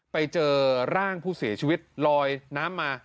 ไปเจอร่างผู้เสียชีวิตลอยน้ำมา